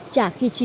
chả khi chín